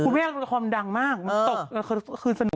คุณแม่ละครดังมากมันตกเทอดกษัตริย์สนุกมาก